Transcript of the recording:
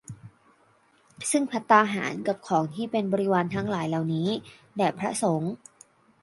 ซึ่งภัตตาหาร กับของที่เป็นบริวารทั้งหลายเหล่านี้ แด่พระสงฆ์